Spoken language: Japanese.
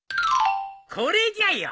これじゃよ。